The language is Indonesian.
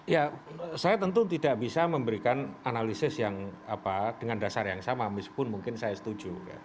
ya saya tentu tidak bisa memberikan analisis yang dengan dasar yang sama meskipun mungkin saya setuju